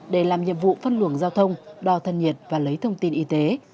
để làm nhiệm vụ phân luồng giao thông đo thân nhiệt và lấy thông tin y tế